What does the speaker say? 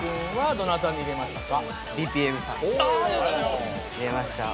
どなたに入れましたか？